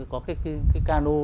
có cái cano